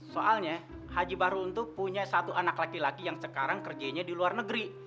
soalnya haji bahrul itu punya satu anak laki laki yang sekarang kerjanya di luar negeri